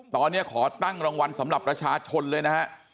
ตอนนี้ขอตั้งรางวัลสำหรับประชาชนเลยนะฮะ